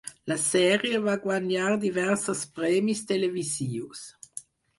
La sèrie va guanyar diversos premis televisius.